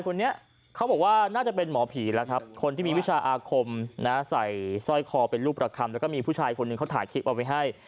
คนนี้เขาบอกว่าน่าจะเป็นหมอผีแล้วครับคนที่มีวิชาอาคมนะใส่สร้อยคอเป็นลูกประคำแล้วก็มีผู้ชายคนหนึ่งเขาถ่ายคลิปเอาไว้ให้